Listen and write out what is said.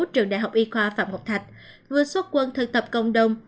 trường đại học y khoa phạm học thạch vừa xuất quân thực tập công đồng